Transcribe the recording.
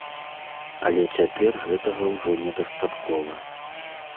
Але цяпер гэтага ўжо недастаткова.